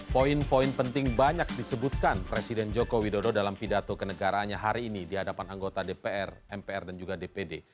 poin poin penting banyak disebutkan presiden joko widodo dalam pidato kenegaraannya hari ini di hadapan anggota dpr mpr dan juga dpd